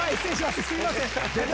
すいません。